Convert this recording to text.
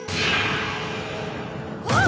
あっ！